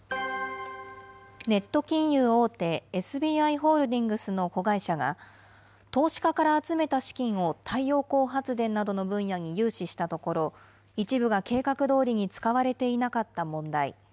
ネット金融大手、ＳＢＩホールディングスの子会社が、投資家から集めた資金を太陽光発電などの分野に融資したところ、一部が計画どおりに使われていなかった問題。